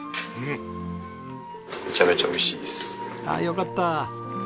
ああよかった。